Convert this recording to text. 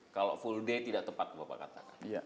kalau full day tidak tepat bapak katakan